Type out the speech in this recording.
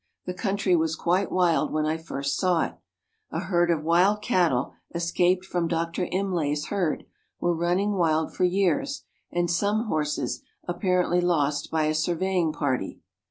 The country was quite wild when I first saw it. A herd of wild cattle, escaped from Dr. Imlay's herd, were running wild for years, and some horses, apparently lost by a surveying party.